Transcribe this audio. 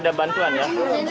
belum ada bantuan ya